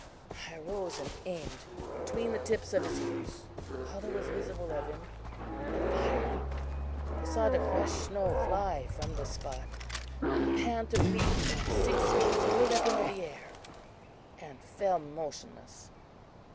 I arose and aimed between the tips of his ears all that was visible of him and fired. I saw the fresh snow fly from the spot. The panther leaped about six feet straight up into the air, and fell motionless.